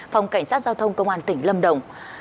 phòng cảnh sát giao thông công an tỉnh lâm đồng